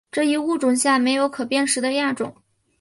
这一物种下没有可辨识的亚种。